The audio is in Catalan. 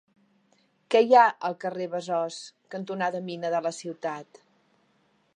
Què hi ha al carrer Besòs cantonada Mina de la Ciutat?